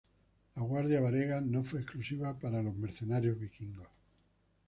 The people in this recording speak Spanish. La guardia varega no fue exclusiva para los mercenarios vikingos.